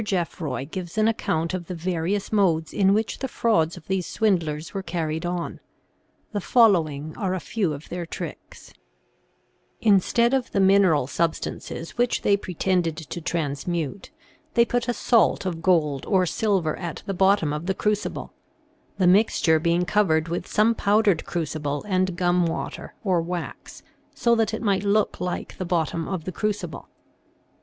Geoffroy gives an account of the various modes in which the frauds of these swindlers were carried on. The following are a few of their tricks : Instead of the mineral substances which they pretended to transmute they put a salt of gold or silver at the bottom of the crucible, the mixture being covered with some pow dered crucible and gum water or wax so that it might look like the bottom of the crucible.